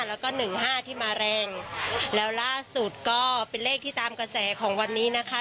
แล้วก็หนึ่งห้าที่มาแรงแล้วล่าสุดก็เป็นเลขที่ตามกระแสของวันนี้นะคะ